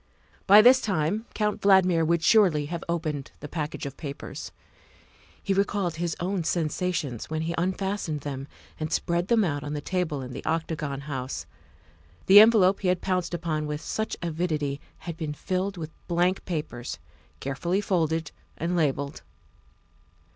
By this time Count Valdmir would surely have opened the package of papers. He recalled his own sensations when he unfastened them and spread them out on the table in the Octagon House. The envelope he had pounced upon with such avidity had been filled with blank papers carefully folded and labelled.